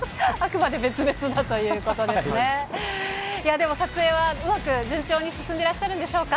でも撮影はうまく、順調に進んでらっしゃるんでしょうか？